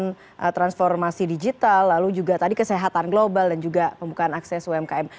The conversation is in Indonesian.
kemudian transformasi digital lalu juga tadi kesehatan global dan juga pembukaan akses umkm